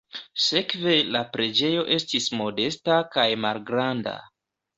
Sekve la preĝejo estis modesta kaj malgranda.